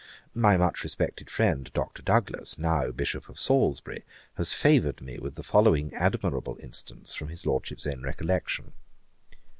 My much respected friend, Dr. Douglas, now Bishop of Salisbury, has favoured me with the following admirable instance from his Lordship's own recollection.